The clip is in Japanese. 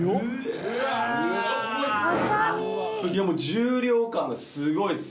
重量感がすごいっす。